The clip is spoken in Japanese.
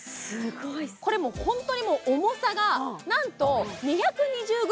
これもうホントに重さがなんと２２０ｇ